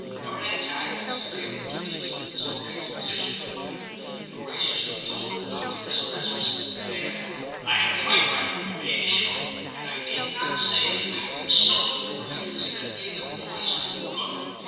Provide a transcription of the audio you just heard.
Her antagonist, feeling pleased with his own exposition of the matter, graciously told her not to distress herself, and added, * I am quite right, you may be sure, and, I need not say, am acting solely for what I consider to be the boy's own good.